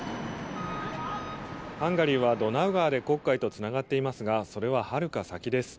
ハンガリーはドナウ川で黒海とつながっていますがそれは、はるか先です。